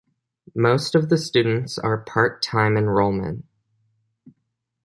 Most of the students are part-time enrollment.